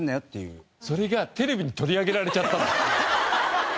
それがテレビに取り上げられちゃった。